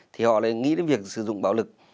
thì họ lại nghĩ đến việc sử dụng bạo lực